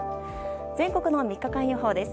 全国の３日間予報です。